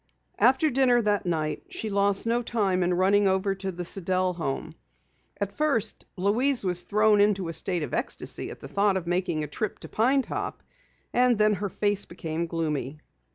After dinner that night, she lost no time in running over to the Sidell home. At first Louise was thrown into a state of ecstasy at the thought of making a trip to Pine Top and then her face became gloomy.